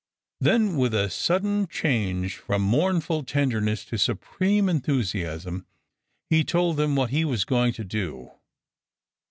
Then, with a sudden change from mournful tenderness to supreme enthusiasm, he told them what he was going to do.